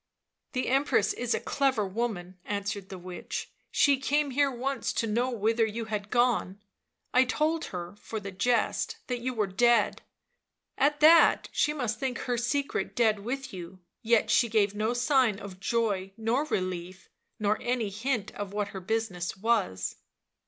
" The Empress is a clever woman," answered the witch, " she came here once to know whither you had gone. I told her, for the jest, that you were dead. At that she must think her secret dead with you, yet she gave no sign of joy nor relief, nor any hint of what her business was."